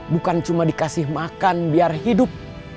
bukan cuma dikasih makan biar hidup